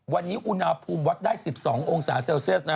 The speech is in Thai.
วันนี้อุณหภูมิวัดได้๑๒องศาเซลเซียสนะ